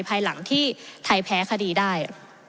ภายหลังที่ไทยแพ้คดีได้